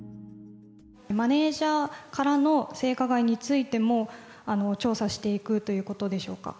マネージャーからの性加害についても調査していくということでしょうか。